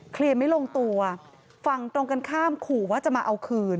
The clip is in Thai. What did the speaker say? ไม่ลงตัวฝั่งตรงกันข้ามขู่ว่าจะมาเอาคืน